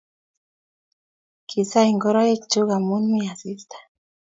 Kisai ingoroik chuk amu mi asista.